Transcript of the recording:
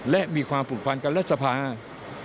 และมีความผูกพันกับลักษณ์ภาพ